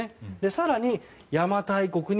更に、邪馬台国に。